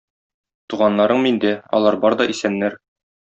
Туганнарың миндә, алар бар да исәннәр.